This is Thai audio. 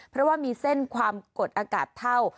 เพราะว่ามีเส้นความกดอากาศเท่า